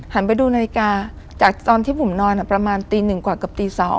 หันไปดูนิตริกาจากตอนที่ผมนอนอะประมาณตี๑กว่ากับตี๒